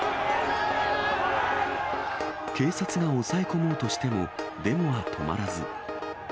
警察が抑え込もうとしてもデモは止まらず。